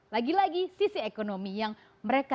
lagi lagi sisi ekonomi yang mereka